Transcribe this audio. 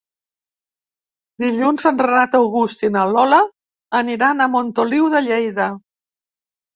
Dilluns en Renat August i na Lola aniran a Montoliu de Lleida.